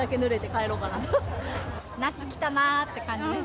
夏来たなって感じです。